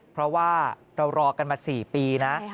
เพราะว่าเรารอกันมา๔ปีนะ